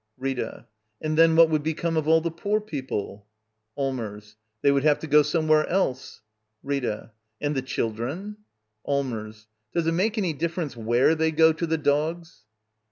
Rita. And then what would become of all the poor people? Allmers. They would have to go somewhere else. Rita. And the children? Allmers. Does it make any difference where they go to the dogs?